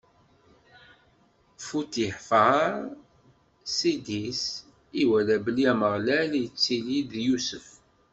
Futifaṛ, ssid-is, iwala belli Ameɣlal ittili d Yusef.